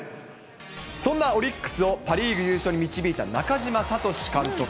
そんなオリックスをパ・リーグ優勝に導いた中嶋聡監督。